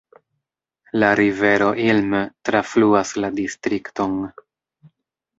La rivero Ilm trafluas la distrikton.